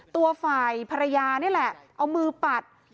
ตัวฝ่ายภรรยานี่แหละเอามือปัด